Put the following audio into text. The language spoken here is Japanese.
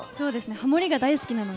ハモリが大好きなので。